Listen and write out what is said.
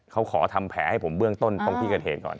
เขาขอทำแผลให้ผมเบื้องต้นตรงที่เกิดเหตุก่อน